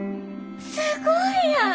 すごいやん！